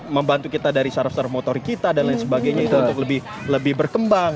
membantu kita dari syaraf motor kita dan lain sebagainya itu lebih lebih berkembang